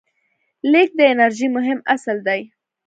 لیږد د انرژۍ مهم اصل دی.